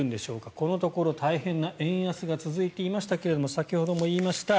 このところ大変な円安が続いていましたが先ほども言いました